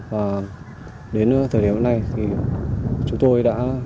và đến thời điểm này thì chúng tôi đã